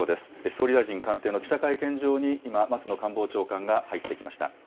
総理大臣官邸の記者会見場に今、松野官房長官が入ってきました。